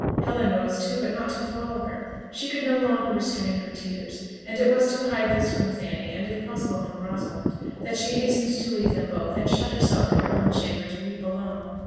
Helen rose too, but not to follow her: she could no longer restrain her tears, and it was to hide this from Fanny, and if possible from Rosalind, that she hastened to leave them both, and shut herself in her own chamber to weep alone.